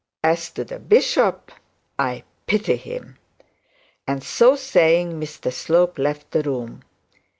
'As to the bishop, I pity him!' And so saying, Mr Slope left the room.